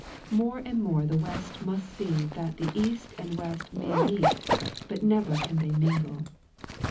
More and more the West must see that the East and West may meet but never can they mingle.